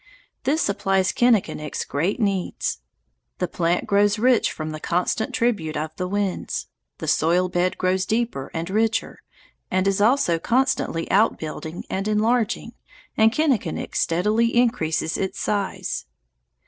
This supplies Kinnikinick's great needs. The plant grows rich from the constant tribute of the winds. The soil bed grows deeper and richer and is also constantly outbuilding and enlarging, and Kinnikinick steadily increases its size.